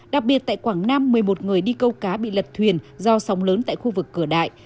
đặc biệt tại quảng nam một mươi một người đi câu cá bị lật thuyền do sóng lớn tại khu vực cửa đại